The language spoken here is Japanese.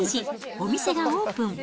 お店がオープン。